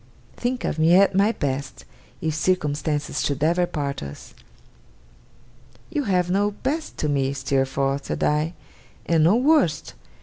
Think of me at my best, if circumstances should ever part us!' 'You have no best to me, Steerforth,' said I, 'and no worst.